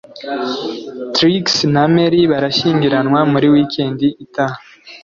Trix na Mary barashyingirwa muri weekend itaha